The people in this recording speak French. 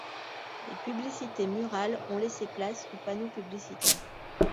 Les publicités murales ont laissé place aux panneaux publicitaires.